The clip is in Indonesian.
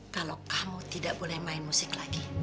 kalau kamu tidak boleh main musik lagi